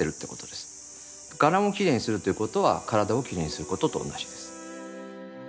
伽藍をきれいにするということは体をきれいにすることと同じです。